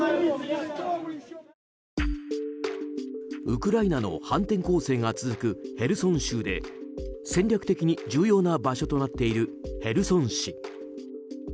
ウクライナの反転攻勢が続くヘルソン州で戦略的に重要な場所となっているヘルソン市。